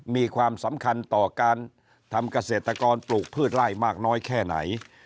มีความสำคัญต่อการทำเกษตรกรปลูกพืชไล่มากน้อยแค่ไหน